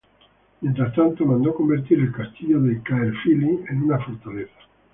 Mientras tanto, mandó convertir el castillo de Caerphilly en una fortaleza.